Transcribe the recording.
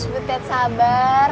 but tet sabar